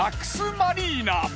マリーナ。